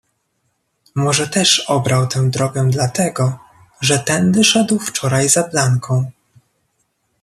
"Może też obrał tę drogę dla tego, że tędy szedł wczoraj za Blanką."